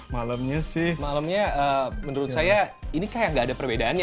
malamnya sih malamnya menurut saya ini kayak gak ada perbedaannya